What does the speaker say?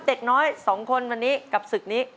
เด็กน้อย๒คนวันนี้กับศึกนี้